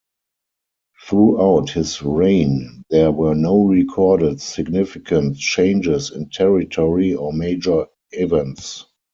Throughout his reign there were no recorded significant changes in territory or major events.